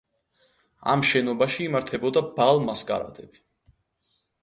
ამ შენობაში იმართებოდა ბალ-მასკარადები.